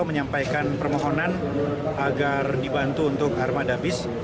menyampaikan permohonan agar dibantu untuk armada bis